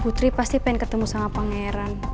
putri pasti pengen ketemu sama pangeran